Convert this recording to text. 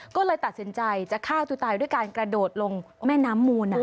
ก็เลยตัดสินใจจะฆ่าตัวตายด้วยการกระโดดลงแม่น้ำมูล